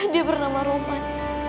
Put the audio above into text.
dia bernama roman